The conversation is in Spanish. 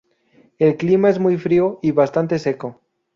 El clima es muy frío, y bastante seco.